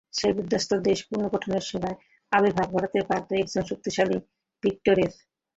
সেই বিধ্বস্ত দেশ পুনর্গঠনে সেখানে আবির্ভাব ঘটতে পারত একজন শক্তিশালী ডিকটেটরের।